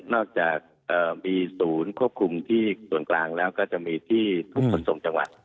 อกจากมีศูนย์ควบคุมที่ส่วนกลางแล้วก็จะมีที่ทุกขนส่งจังหวัด